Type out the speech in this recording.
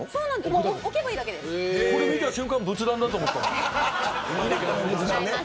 これ、見た瞬間仏壇だと思った。